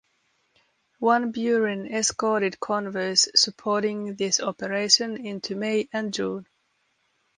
"Van Buren" escorted convoys supporting this operation into May and June.